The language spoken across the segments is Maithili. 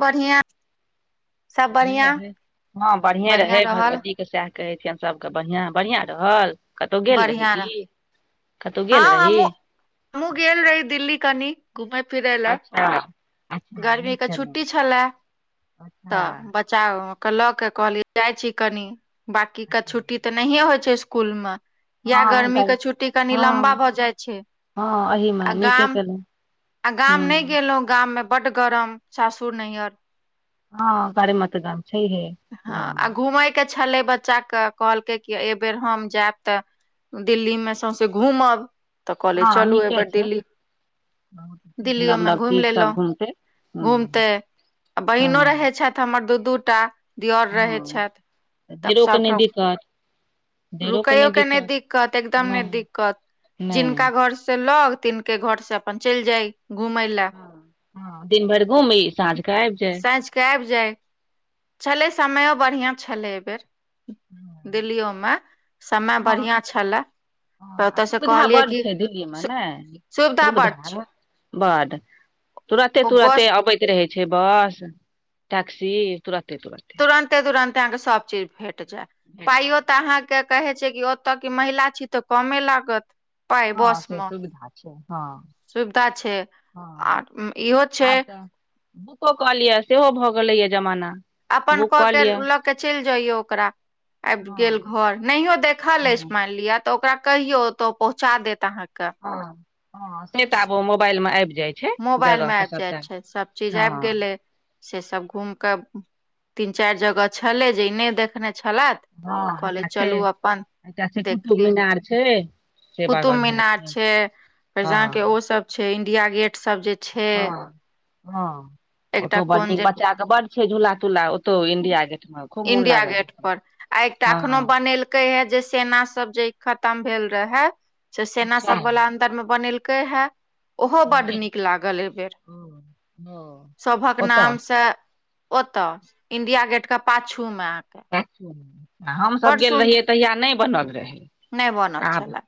बढ़िया सब बढ़िआँ बढ़िया रहै हँ बढ़िएँ रहै बढ़िया रहल भगवती त सएह कहै छियै हम सभके बढ़िआँ- बढ़िआं रहल? कतहु गेल रही बढ़िया की? रह कतहु गेल हँ रही? हमहूँ हमहूँ गेल रही दिल्ली कनी घुमै फिरय लै अ- गर्मी के छुट्टी छलय अच्छा तऽ बच- चा के लऽ के कहली जाइ छी कनी बाकी केऽ छुट्टी तऽ नहिये होइ छै इस- कूल मे या हँ गर्मी गल के छुट्टी कनि लम्बा हँ भऽ जाय छै। हँ एहिमे आ नीके गाम केलहुँ आ गाम नहि हूँ गेलहुं गाम में बड गरम सासुर नैहर हँ- गाड़ी मेऽ तऽ दम छैहे। हँ आ गाममे घूमयके छलै बच्चाक कहलकै कि एहि बेेर हम जायब तऽ दिल्लीमे सौँसे घूमब तऽ कहलियै हँ चलू एहि नीके बेेर छै दिल्ली बहुत चीज नव दिल्लीयोमे नव घूमि चीज सब लेलहुँ- घुमतै हूँ घूमते आ बहिनो हँ रहै छथि हमर दू दू टा दियौर रहै हँ छथि तब देरोके नहि सभठप दिक्कत देरोके रुकैयो नहि के नय दिक्कत एकदम नय नहि दिक्कत नहि जिनका घर से लग तिन- के घर से अपन च इल जाइ। घुमय ला- हँ हँ दिन भरि घूमी साँझके आबि जाय सांझ के आइब जाय। छलै समयो बढ़िआँ छलै एहिबेर [inaudible] दिल्लियो मे समय बढ़ियां छलय। हँआ सुविधा बड्ड छै दिल्लीमे ने बड्ड छै -सुविधा बड तुरते ओ बस -तुरते अबैत रहै छै बस, टैक्सी तुरते -तुरते तुरन्ते -तुरन्ते अहाँके सबचीज भेट जेएत। पाइयो तऽ अहाँके कहै छै कि ओतय कि महिला छी तऽ कमे लागत। पाइ हँ बस से मे सुविधा छै हँ सुविधा छै आ हँ इहो छै आब तऽ बुको क लिय सेहो भऽ गेलैए जमाना अपन बुक कऽ के लिअ लऽ के चइल जइयौ ओकरा आइब गेल हँ घर नहियो देखल अछि हँ माइन लिअ तऽ ओकरा कहियो त ओ पहुँचा देत अहाँके हँ- हँ -से तऽ आब ओ मोबाइलमे आबि जाइ छै। मोबाइल जगह मे के आइब जाय सबटा छै सब चीज आइब हँ गेलय। से-से सब घूम क तीन चाइर जगह छलै जे इ नय देखने छेलैथ। हँ एकटा छै -एकटा छै कुतुब देखलियै मीनार छै। से बड़ कुतुब बढ़िआँ मीनार छै फेर हँ जहाँके ओ सब छै इंडिया गेट सब जे छै हँ हँ- एकटा ओतौ बड़ड कोन नीक जे बच्चा के बड छै झूला- तूला ओतौ इंडिया गेट मे खूब मोन इंडिया लागल गेट हे- पर आ एकटा एखनो बनेल के यै जे सेना सब जे खतम भेल रह है से सेना अच्छा सब बला मे बनेलकै हे ओहो बड नीक लागल एहि बेेर। ह हँ। सभक नाम से ओतऽ इंडिया गेट के पाछू में। हमसभ गेल रहियै तहिया नहि बनल रहै। नहि बनल आब छलए।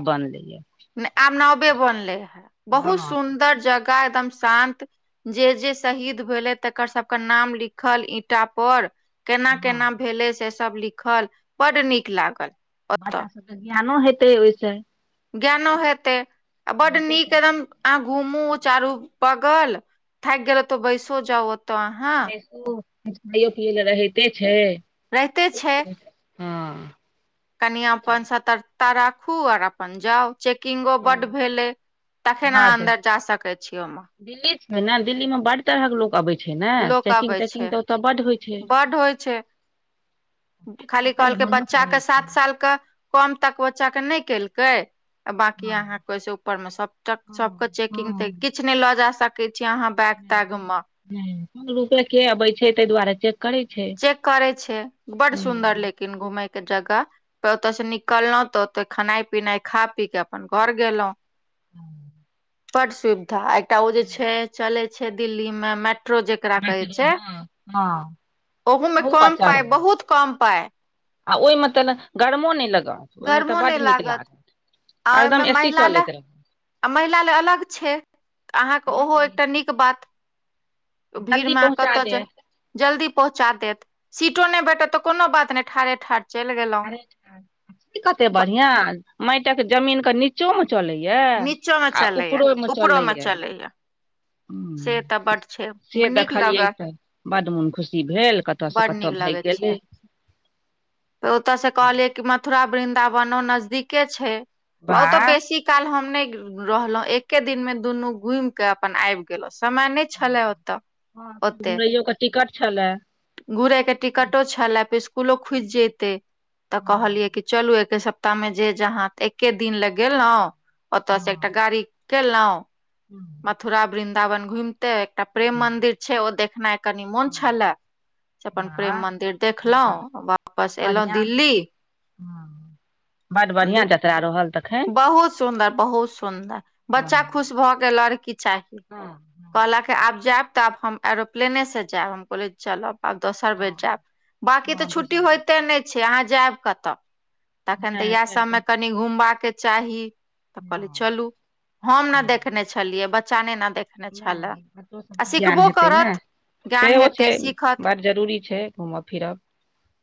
आब बनलैे। आब नवे बनले है हँ बहुत सुंन्दर जगह एकदम शान्त। जे जे शहीद भेलै तकर सबके नाम लिखल ईंटा पर केना हँ केना भेलै से सभ लिखल बड नीक लागल। ओतऽ बच्चा सभके ज्ञानो हेतै ओहिसँ। ज्ञानो हेतै आ बड नीके नीक एकदम कहलियै, आहाँ घूमू चारू बगल थैक गेलल तऽ बैइसु जाउ ओतऽ अहाँ। ओ खाइयो पियै लऽ रहते छैय रहिते छै हँ। कनि अपन सतर्कता राखू आर अपन जाउ। चेकिंगो बड हँ भेले तखन अहाँ बड अन्दर जा सकै छीय ओमा। दिल्ली छैय ने दिल्ली मे बड तरह के लोक अबै छैय। छैय ने लोक चैकिंग अबै तेकिंग छै तऽ ओतऽ बड् होइ छैय। बड होइ छै खाली कहलकै बच्चा के छै सात सालके कम तक बच्चा के नहि केलकै बाकी हँ अहाँ कैसे ऊपर में सब सब के हँ चेकिंग तेकिंग हँ किछ ने ल जाय सके छीे अहां। बैग तैग म हुं हुनकरके अबै छै ताहि दुआरे च करै छैय। चेक करै छैय बड सुन्दर लेकिन घूमेय के जगह। त ओत‌अ स निकलहुं तऽ ओत‌अ खेनाइ पिनाइ खा पी कऽ अपन घर गेलहुँ। [inaudible] बड सुवीधा एकटा ओ जे छैय चलै छैय दिल्ली मे मेट्रो जेकरा कहै छैय। हां। ओहो मे कम पा‌इ बहुत कम पाइ। आ ओ‌इमे तनऽ गरमो नय लागत ओइमे तऽ गर्मो नहि बड नीक लागत। आ ओहिमे हरदम एसी महिला लए चलैत रहे। आ महिला ला अलग छैय अहाँके ओहो एकटा नीक बात। भीड़ जल्दी में अहां पहुँचा कतऽ देत ज जल्दी पहुँचा देत सीटो नहि भेटत तऽ कोनो बात ने ठाढ़े ठाढ़ चैल गेलौं। की कते बढ़िआं मायटक जमीनके नीचोमे चलैया नीचोमे आ चलैया उपरोमे ऊपरोमे चलैया। से तऽ बड्ड छै से नीक देखलियै लगत तऽ बड मोन खुशी भेल कतऽसँ कतऽ भाइग गेलै। त ओतऽ स कहलीयै की मथुरा वृन्दावनो नजदीके छैय ओ तऽ वाह बेसी काल हम नहि रहलहुं एके दिन में दुनू घुयम कऽ अपन आईब गेलहु समय न‌इ छला ओतऽ हँ ओते। घुरैयो के टिकट छलए घुर‌अ के टिकटो छला त इस्कुलो खुयज जेतै। तऽ कहलियै कि चलू एके सप्ताहमे जे जहाँ तऽ एके दिन ला गेलहु ओतऽ स एकटा गाड़ी केलौं [inaudible] मथुरा वृन्दावन घुमतय एकटा प्रेम मंदिर छैय ओ देखनाइ कनि मोन छला से अपन वाह प्रेम मंदिर एकदम देखलहुं वापस एलहुॅं दिल्ली। ह बड बढ़िआँ जतरा रहल। तखन बहुत सुन्दर, बहुत सुन्दर, हँ बच्चा खुश भऽ गेल आर की चाही। हँ कहलक के आब जैब तऽ आब हम एरोप्लेने स जैब हम कहलियए चलब। आब दोसर बेर जैब, बाँकी तऽ हँ छुट्टी दोसर दिन होयइते न‌इ छैय अहाँ जैब कतऽ। [unintelligible] कनी घुमबाके चाही तऽ कहलियए हँ चलू, हम ने देखने छी छलियै बच्चा ने न देख न‌इ बच्चो सबके ज्ञान हेतै ने। करत ज्ञान सेहो हेतै छैय सीखत बड जरूरी छैय घूमब फिरब।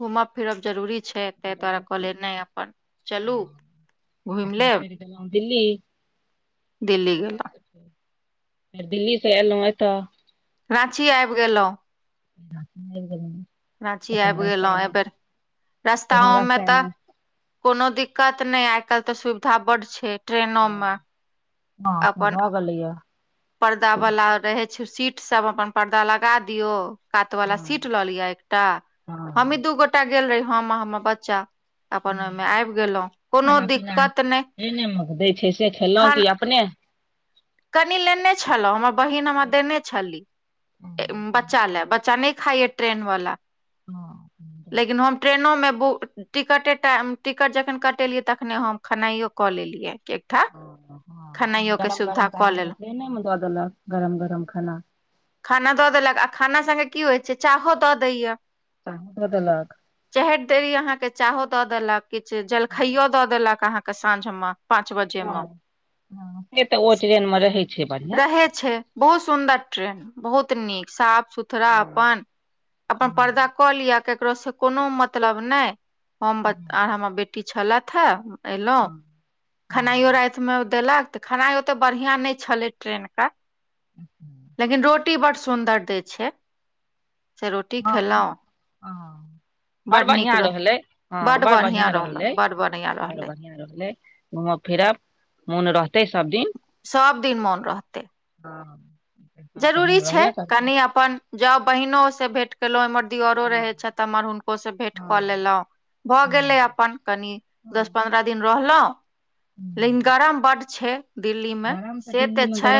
घूमब फिरब जरूरी छैय तै दुआरे जरूरी छै कहलियए नहि अपन चल। चलू घुइम लेब। ऐलौ दिल्ली दिल्ली गेला। ओतयसँ फेर फेर दिल्ली से एलहुँ एतऽ। राँची आइब गेलहुँ। रा‌ंची आईब गेलौ। राँची आईब गेलहुँ एहि बेर। कोनो रस्ताओमे तऽ रास्तामे कोनो दिक्कत न‌इ, आइ कायल तऽ सुविधा बड छैय ट्रेनोमे। हँ से भ गेलैया। परदा वला रहै छैय सीट सब अपन परदा लगा दियौ कातवला सीट हँ लऽ लिअ एक ट हमही हँ दू गोटा गेल रही हम आ हमर बच्चा। अपन ओहिमे आईब गेलहुँ कोनो खाना पीना दिक्कत न‌इ। ट्रेनेमे दै छैय से खेलहुँं की अपने। कनी लेने छलहुँ हमर- बहिन हमरा देने छली, हँ बच्चा ला बच्चा न‌इ खाइया ट्रेन वला। हँ लेकिन हम ट्रेनोमे बुक टिकटे टाइम टिकट जखन कटेलियै तखने हम खेनाइयओ कऽ लेलियै। ठीक ठाक खेनाइयोके सुविधा। कऽ लेलहुँ दिने मे दऽ देलक गरम गरम खाना। खाना दऽ देलक आ खाना सङ्गे की होइ छैय चाहो दऽ दैया। दऽ देलक। चढ़ैत देरी अहाँके चाहो दऽ देलक किछु जलखइयो दऽ देलक अहाँके साँझमे। ह से तऽ ओ टरेन मे रहै छैय। रहय छैय। बहुत सुन्दर ट्रेन, बहुत नीक साफ सुथ रा हँ अपन, अपन पर्दा हँ कऽ लिअ केकरो से कोनो मतलब नहि। हम हँ आर हमर बेटी छलथि हे एलहुं खेनाइयो रातिमे देलक तऽ खेनाइ ओते बढ़िया नहि छलै ट्रेनके लेकिन रोटी रोटी बड्ड सुन्दर दै छैय। ओ। बड़ बड नीक बढ़िआँ रह रहलै हँ बड बड़ बढ़िया बढ़िआँ रहल रहलै, बड बढ़िया बड़ रहलै बढ़िआँ रहलै। घूमब फिरब मोन रहतै सबदिन। सब दिन मोन रहतै। हां-हां। जरूरी छै कनि अपन जाउ बहिनो से भेंट केलौ इम्हर दियोरो हँ रहै छ त इम्हर हुनको से भेट क हँ लेलौ। भऽ हँ गेलै अपन कनि दस हँ पन्द्रअ दिन रहलौ। लेकिन गरम बड छै दिल्ली मे से तऽ छै।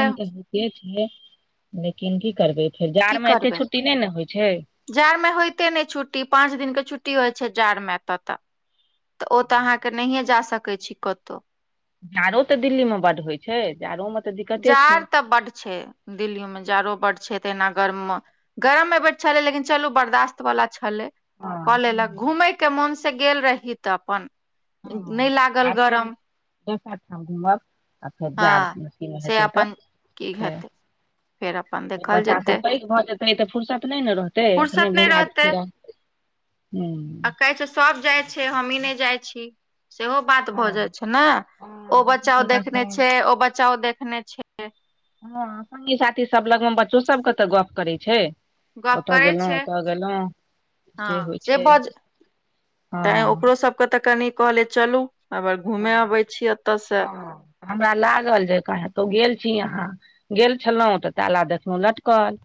से ते या, लेकिन की करबै फेर जाड़ की मे एते करबै छुट्टी नै ने होय छै। जाड़ मे होयते नै छुट्टी, पाँच दिनके छुट्टी होय छै जाड़ मे ऐता तऽ। तऽ ओ तऽ अहाँके नहिये जा सकै छी कतौ। जाड़ो तऽ दिल्ली मे बड होय छै, जाड़ो मे जाड़ तऽ बड छै। दिल्ली मे जाड़ो बड छै तहना गरम मे, गरम एबेर छलै लेकिन चलु बर्दास त वला छलै कऽ हँ लेलक घूमे के मोन से गेल रही तऽ अपन नै ला आब फेर दोसर ठा घूमब आ फेर जाड़ हँ मे किन से हेतै तऽ अपन की फेर हेतै फेर अपन फेर देखल बच्चा जेतै सब पैघ भऽ जेतै तऽ फुरसत नै ने रहतै, एखने फुर्सत नहि घुमा रहतै फिरा। [unintelligible] आ हूँ कहै छै सब जाय छै, हमी नै जाय छी। सेहो बात भऽ जाय हँ छै नै ओ हँ बच्चो बच्चा ओ सबके देखनाय सब छै ओ बच्चा ओ देखनाय छै। हां संगी साथी सब लग मे बच्चो सब के तऽ गप करै छै। गप ओता करै गेलौ, छै ओता गेलौ से होय छै। हँ तैं ओकरो सबके तऽ कनि कहले चलु अगर घूमे हँ आबै छी एता से। हँ हमरा लागल जे कहैं तो गेल छी अहाँ। गेल छलौ तऽ ताला देखलौ लटकल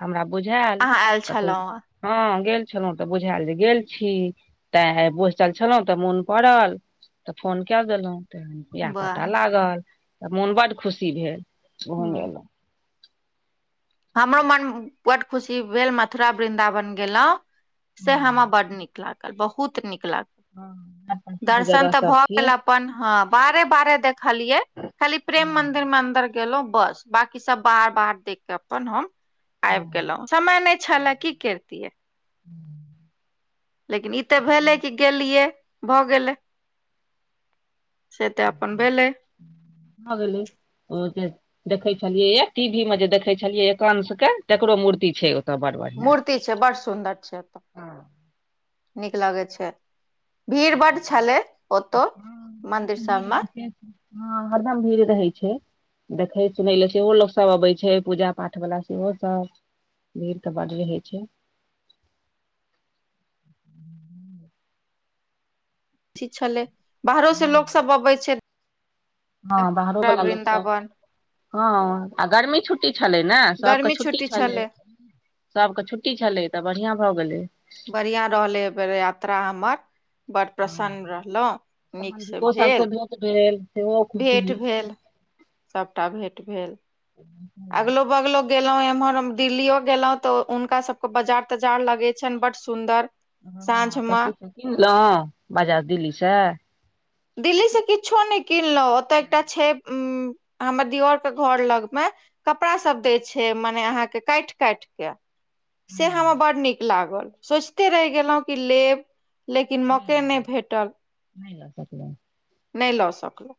हमरा बुझाएल अहाँ आयल कतौ छलहुँ हां गेल छलौ तऽ बुझाएल जे गेल छी, ताए आय बैसल छलौ तऽ मुन पड़ल। तऽ फोन कर देलौ ते इहाए वाह पता लागल तऽ मोन बड खुशी भेल। उहो नै एला। हमरो मन बड खुशी भेल मथुरा वृन्दावन गेलौ से हमरा हँ बड नीक लागल, बहुत नीक लागल। हां। दर्शन तऽ भऽ गेल अपन, हां बाहरे-बाहरे देखलियै। खाली प्रेम हँ मन्दिर मे अन्दर गेलौ बस बाकी सब बाहर-बाहर देख के अपन हम आएब गेलौ समय नै छलै की कैरतिये। हुं। लेकिन ई तऽ भेले कि गेलियै भऽ गेलै। से तऽ अपन भेलै। भ गेलै। ओ जे देखै छलियै या टी भी मे जे देखे छलियै या कंश के तकरो मूर्ति छै। तऽ बड़ बढ़ियाँ। ती छै, बड़ सुन्दर छै। ओतऽ हां। नीक लागै छै, भीड़ बड छलै ओतौ मन्दिर सबमे। हँ हरदम भीड़ रहै छै। देखै सुनै ले सेहो लोक सब अबै छै पूजा पाठ बला सेहो सब। भीड़ तऽ बड रहै छै। ह ठीक छलै बाहरो से लोक सब अबै छै। हँ बाहरो पूरा बला लोक सब वृन्दावन हँ आ गर्मी छुट छुट्टी छलै ने सबके छुट्टी छलै सबके छुट्टी छलै तऽ बढ़ियां भऽ गेलै। बढ़िआँ रहलै ऐबेर यात्रा हमर। बड हँ प्रसन्न रहलौ नीक से सम्बन्धिको सबसँ भेल। भेँट भेल। सेहो भेंट खुशी भेल सबटा भेंट भेल। अगलो- बगलो गेलौ एम्हर हम दिल्लियो गेलौ तऽ हुनका सबके बजार तजार लगे छैन बड सुन्दर। साँझ हँ तऽ मे कीछो किनलौ बाजार दिल्ली से दिल्लीसँ किछो नै किनलौ ओतऽ एकटा छै उ हमर दियर के घर लगमे कपड़ा सब दै छै मने आहाँके काइट- काइट के से हमरा हँ बड़ नीक लागल सोचिते रैह गेलौ कि लेब। लेकिन मौके नै भेटल। नै लऽ सकलौं। नै लऽ सकलौ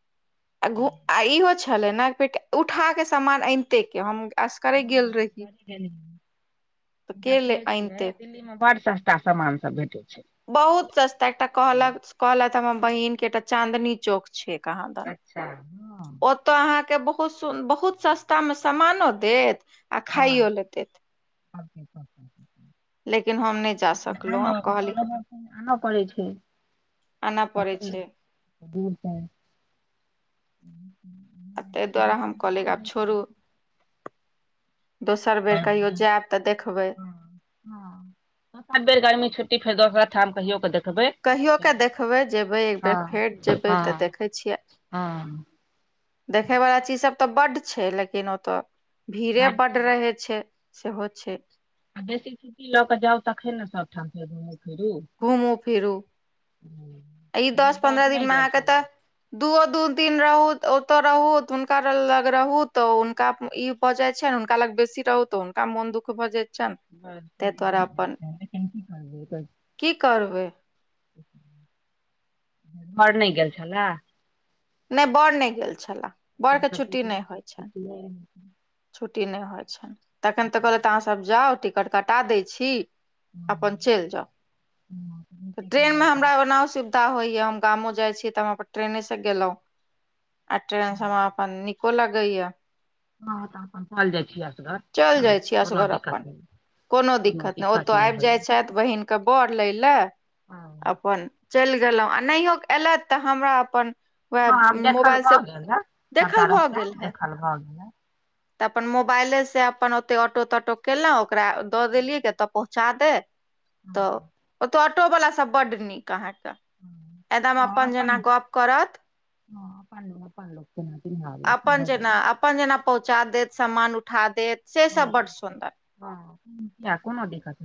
आ घू इहो छै। [unintelligible] न कि उठा के सामान एनतै के हम [unintelligible] असगरे गेल रही हँ तऽ के ले सुनै छियै अनिते दिल्ली मे बड़ सस ता समान सब भेटै छै। बहुत सस्ता एकटा कहलक कहलैथ हमर बहिन कि एकटा चाँदनी चौक छै कहाँ दन। अच्छा हँ ओतऽ अहाँके बहुत सु बहुत सस्ता मे सामानो देत। आ हँ खाइयो ले देत। लेकिन हम नहि जा सकलहुँ आब कहली [unintelligible] आनऽ पड़ै छै। आनय पड़ै छै दूर से आ तैय दुआरे हम कहलियै आब छोड़ू दोसर बेर बड़ कहियो जेएब तऽ देखबै। हॅं दोसर बेर गरमी छुट्टी फेर दोसरा ठाम कहियो कऽ देखबै। कहियो कऽ फेर देखबै जेबै हँ एकबेर फेर जेबै तऽ हँ देखै छियै। हँ देखैयवला चीज सब तऽ बड छै लेकिन ओतऽ भीड़े बात बड छै रहै छै। सेहो छै। आ बेसी छुट्टी लऽ कऽ जाउ तखन ने सबठाम फेर घुमू -फिरू घूमू -फिरू ई एहि बेर दस बड़ पन्द्रह नहि दिनमे गेल अहाँके छलए तऽ। दूओ दू दिन रहू ओतऽ रहू त हुनका लग रहू तऽ हुनका ई भऽ जाइ छैन हुनका लग बेसी रहु तऽ हुनका मोन दुःख भऽ जाइ छैन। [unintelligible] की करबै। बड़ नै गेल छेल्ला। नै बड़ नै गेल छेल्लाह एकरा बड़के सबके छुट्टी तऽ नै होइ छैन। सोचले रहै। छुट्टी नहि होइ छनि, तखन तऽ कहलथि अहाँसभ जाउ टिकट कटा दै छी। अपन हँ चलि जाउ, हँ, तऽ नीके ट्रेन केलहुँ में अपन हमरा ओना से। तऽ होइया हम गामो जाइ छी तऽ हम ट्रेने से गेलहुं। आ ट्रेन हँ से हमरा अपन निको लगैये। हँ तऽ अपन चल जाइ छी असगर। चल कोनो जाइ छी कोनो असगर दिक्कत अपन। नहि कोनो दिक्कत नइ, ओतय आबि जाइ छथि बहिनके बर लै ले हँ अपन। चलि गेलहुँ, आ नहियो एलथि तऽ हमरा अपन। वएह हँ, आब देखल मोबाइलसँ, भऽ गेल हे देखल सभटा भऽ रस्ता गेल हे। देखल भऽ गेल हे तऽ अपन मोबाइले से अपन ओत्ते ऑटो-तोटो केलहुँ ओकरा दऽ देलियै के अतऽ पहुँच। छ दे तऽ हँ ओतऽ ऑटो वाला सब बड्ड नीक अहाँके। हँ एदम हँ, अपन जेना गप्प करत। हँ अपन लोक, अपन लोक जेना चिन्हार लोक अपन भऽ जेना गेल। अपन जेना पहुंचा देत, समान उठा देत से हँ सब बड्ड सुंदर। हँ किया कोनो दिक्कत न।